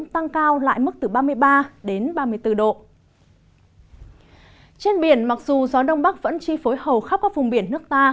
trên biển mặc dù gió đông bắc vẫn chi phối hầu khắp các vùng biển nước ta